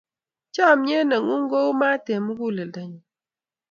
chamiet ne ng'un ko u mat eng' mugulelgo nyu